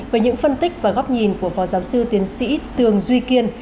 về những phân tích và góp nhìn của phó giáo sư tiến sĩ tường duy kiên